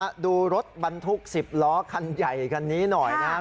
มาดูรถบรรทุกสิบล้อขั้นใหญ่ขั้นนี้หน่อยนะ